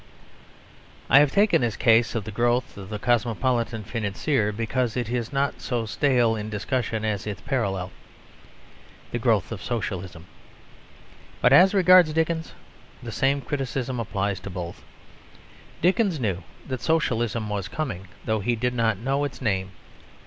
I have taken this case of the growth of the cosmopolitan financier, because it is not so stale in discussion as its parallel, the growth of Socialism. But as regards Dickens, the same criticism applies to both. Dickens knew that Socialism was coming, though he did not know its name.